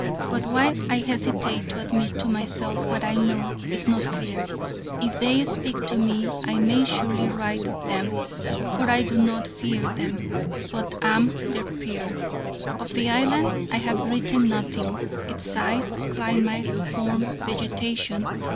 But why I hesitate to admit to myself what I know, is not clear. If They speak to me, I may surely write of Them: for I do not fear Them, but am Their peer. Of the island I have written nothing: its size, climate, form, vegetation....